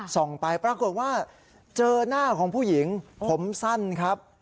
ไปปรากฏว่าเจอหน้าของผู้หญิงผมสั้นครับ